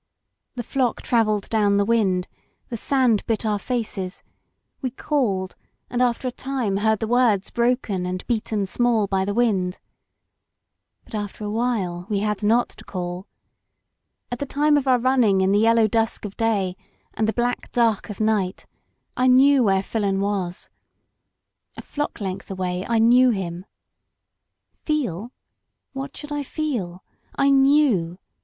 The flock travelled down the wind, the sand bit our faces; we called, and after a time heard the words broken and beaten small by the wind. But after a little we had not to call. All the time of our running in the yellow dusk of day and the black dark of night, I knew where Filon was. A flock length away, I knew him. Feel? What should I feel? I knew.